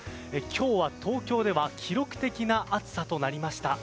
今日は東京では記録的な暑さとなりました。